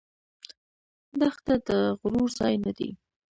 دښته د غرور ځای نه دی.